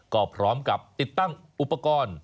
ก็พร้อมกับติดตั้งอุปกรณ์